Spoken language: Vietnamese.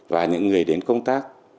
và những người đến công tác